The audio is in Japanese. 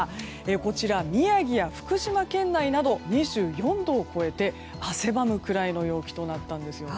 こちら、宮城や福島県内など２４度を超えて汗ばむくらいの陽気となったんですよね。